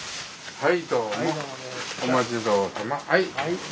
はい。